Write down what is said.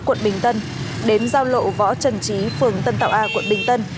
quận bình tân đến giao lộ võ trần trí phường tân tạo a quận bình tân